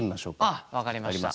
ああ分かりました。